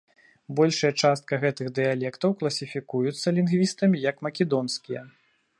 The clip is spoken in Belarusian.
Большая частка гэтых дыялектаў класіфікуюцца лінгвістамі як македонскія.